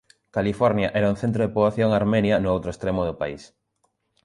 California era un centro de poboación armenia no outro extremo do país.